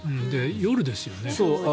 夜ですよね。